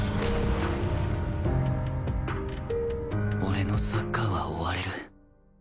俺のサッカーは終われる